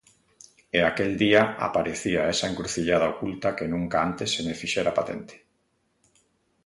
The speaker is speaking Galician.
E aquel día aparecía esa encrucillada oculta que nunca antes se me fixera patente.